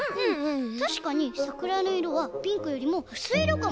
たしかにさくらのいろはピンクよりもうすいいろかも。